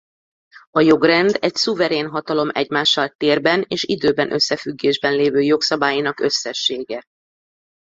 A jogrend egy szuverén hatalom egymással térben és időben összefüggésben lévő jogszabályainak összessége.